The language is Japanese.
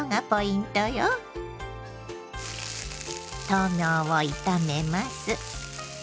豆苗を炒めます。